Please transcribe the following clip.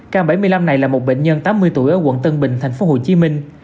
ca bảy mươi năm này là một bệnh nhân tám mươi tuổi ở quận tân bình thành phố hồ chí minh